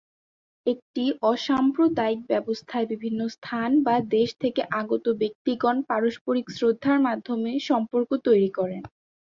একটি অসাম্প্রদায়িক ব্যবস্থায় বিভিন্ন স্থান বা দেশ থেকে আগত ব্যক্তিগণ পারস্পারিক শ্রদ্ধার মাধ্যমে সম্পর্ক তৈরি করেন।